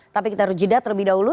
tapi kita harus jeda terlebih dahulu